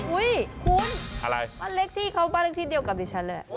อุ๊ยคุณอะไรบ้านเลขที่เขาบ้านเลขที่เดียวกับดิฉันเลย